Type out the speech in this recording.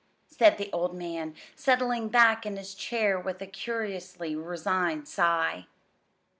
said the old man, settling back in his chair with a curiously resigned sigh.